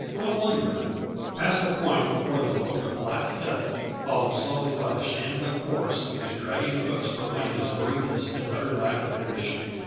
I wonder " Past the point before them poked a black head, followed slowly by a shambling horse whose dragging hoofs proclaimed his weariness and utter lack of ambition.